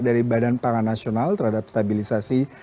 dari badan pangan nasional terhadap stabilisasi